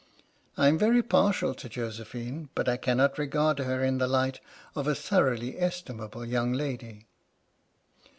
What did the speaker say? I am very partial to Josephine, but I cannot regard her in the light of a thoroughly estim able young lady.